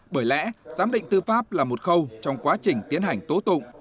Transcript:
bởi lẽ giám định tư pháp là một khâu trong quá trình tiến hành tố tụng